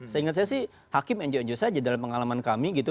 saya ingat saya sih hakim nju saja dalam pengalaman kami gitu